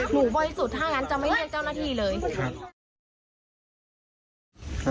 หนูบ่อยสุดถ้างั้นจะไม่เนียนเจ้าหน้าที่เลยครับ